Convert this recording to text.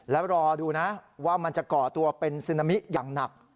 แล้วรอดูนะว่ามันจะก่อตัวเป็นซึนามิอย่างหนัก